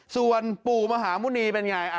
ส่วนปู่มหาหมุนีเป็นอย่างไร